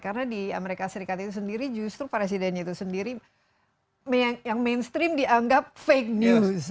karena di amerika serikat itu sendiri justru presidennya itu sendiri yang mainstream dianggap fake news